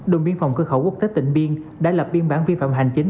đồng biên phòng cơ khẩu quốc tế tịnh biên đã lập biên bản vi phạm hành chính